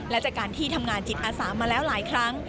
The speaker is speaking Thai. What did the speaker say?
และจากการที่ทำงานจิตอาสามาแล้วหลายครั้ง